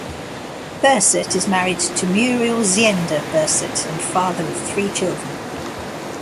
Berset is married to Muriel Zeender Berset and father of three children.